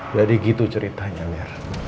jadi gitu ceritanya mir